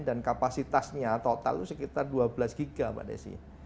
dan kapasitasnya total sekitar dua belas giga pak nessy